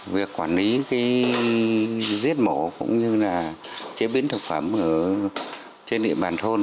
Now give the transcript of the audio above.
việc quản lý giết mổ cũng như là chế biến thực phẩm trên địa bàn thôn